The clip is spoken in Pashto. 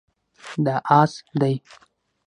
دا اس دی